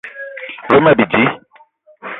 Ve ma bidi